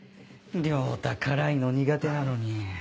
良太辛いの苦手なのに。